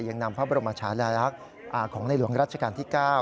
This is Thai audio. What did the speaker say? ยังนำพระปรมชาติรรรยาคต์ของนายหลวงราชกาลที่๙